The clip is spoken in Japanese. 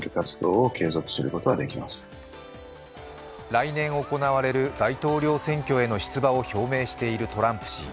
来年行われる大統領選挙への出馬を表明しているトランプ氏。